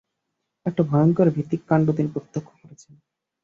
একটা ভয়ংকর ভীতিক কাণ্ড তিনি প্রত্যক্ষ করেছেন।